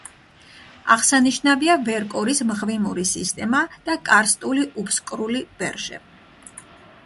აღსანიშნავია ვერკორის მღვიმური სისტემა და კარსტული უფსკრული ბერჟე.